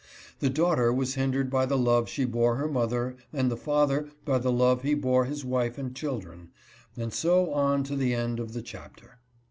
The daugh ter was hindered by the love she bore her mother and the father by the love he bore his wife and children, and so on to the end of the chapter.